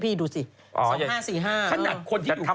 ปลาหมึกแท้เต่าทองอร่อยทั้งชนิดเส้นบดเต็มตัว